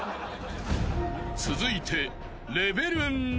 ［続いて］